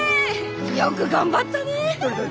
よく頑張ったねえ！